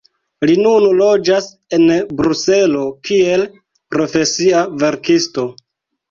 Li nun loĝas en Bruselo kiel profesia verkisto.